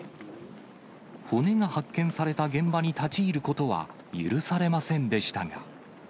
骨が発見された現場に立ち入ることは許されませんでしたが。